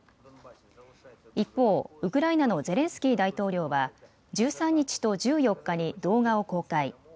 一方、ウクライナのゼレンスキー大統領は１３日と１４日に動画を公開。